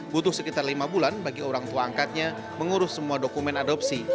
butuh sekitar lima bulan bagi orang tua angkatnya mengurus semua dokumen adopsi